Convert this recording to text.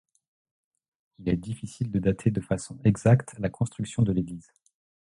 Il est difficile de dater de façon exacte la construction de l’église.